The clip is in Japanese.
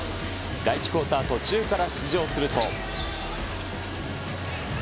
第１クオーター途中から出場すると。